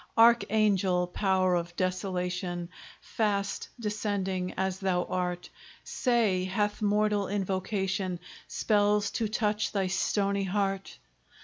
Archangel! power of desolation! Fast descending as thou art, Say, hath mortal invocation Spells to touch thy stony heart?